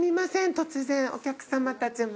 突然お客さまたちも。